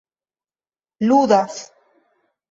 ludas